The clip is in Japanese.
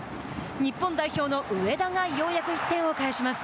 日本代表の上田がようやく１点を返します。